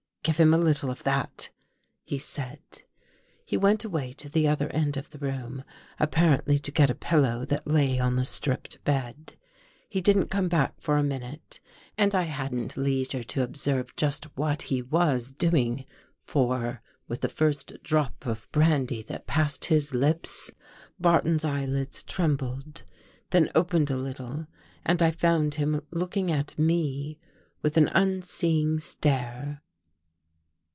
" Give him a little of that," he said. He went away to the other end of the room, ap parently to get a pillow that lay on the stripped bed. He didn't come back for a minute and I hadn't leisure to observe just what he was doing. For, with the first drop of brandy that passed his lips. Barton's eyelids trembled, then opened a little and I found him looking at me with an unseeing stare.